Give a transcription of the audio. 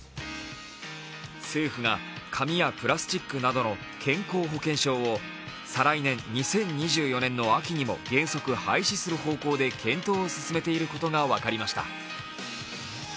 政府が紙やプラスチックなどの健康保険証を再来年、２０２４年の秋にも原則廃止する方向で検討を進めていることが分かりました。